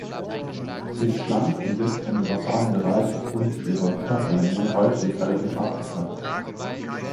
Sie ist schlank und wirkt im dorsalen Bereich aufgrund ihrer Körperlänge häufig relativ abgeflacht.